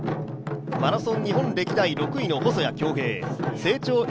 マラソン日本歴代６位の細谷恭平成長